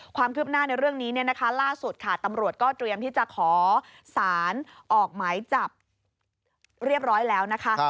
ความคืบหน้าในเรื่องนี้ล่าสุดค่ะตำรวจก็เตรียมที่จะขอสารออกหมายจับเรียบร้อยแล้วนะคะ